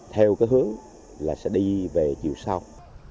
theo cái hướng là sẽ đi về chiều sau